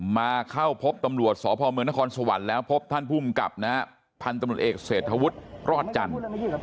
มาเข้าพบตำรวจสพเมืองนครสวรรค์แล้วพบท่านภูมิกับนะฮะพันธุ์ตำรวจเอกเศรษฐวุฒิรอดจันทร์